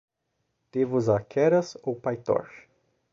Devo usar Keras ou Pytorch?